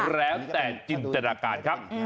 แล้วแต่จินตนาการครับ